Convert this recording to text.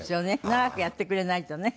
長くやってくれないとね。